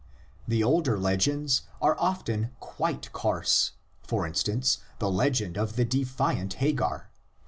The older legends are often quite coarse: for instance, the legend of the defiant Hagar (xvi.)